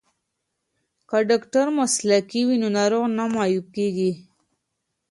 که ډاکټر مسلکی وي نو ناروغ نه معیوب کیږي.